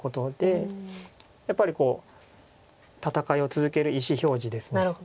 やっぱり戦いを続ける意思表示です。